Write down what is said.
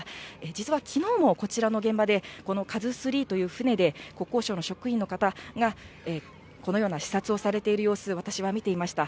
実はきのうもこちらの現場でカズスリーという船で、国交省の職員の方がこのような視察をされている様子、私は見ていました。